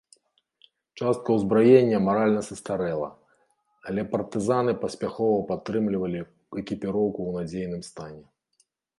Частка ўзбраення маральна састарэла, але партызаны паспяхова падтрымлівалі экіпіроўку ў надзейнай стане.